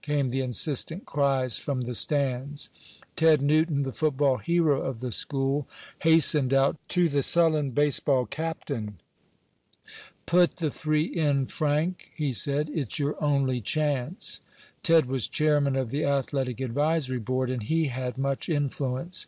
came the insistent cries from the stands. Ted Newton, the football hero of the school, hastened out to the sullen baseball captain. "Put the three in, Frank," he said. "It's your only chance." Ted was chairman of the athletic advisory board, and he had much influence.